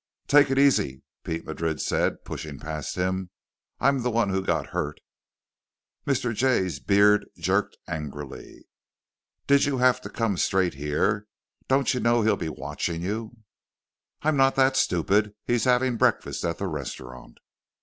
"Take it easy," Pete Madrid said, pushing past him. "I'm the one who got hurt." Mr. Jay's beard jerked angrily. "Did you have to come straight here? Don't you know he'll be watching you?" "I'm not that stupid. He's having breakfast at the restaurant."